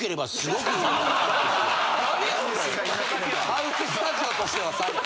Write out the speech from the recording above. ハウススタジオとしては最高。